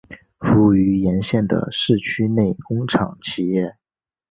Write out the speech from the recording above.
服务于沿线的市区内工厂企业。